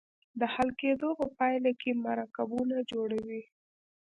د حل کیدو په پایله کې مرکبونه جوړوي.